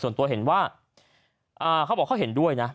ส่วนตัวเห็นว่าเขาบอกเขาเห็นด้วยนะ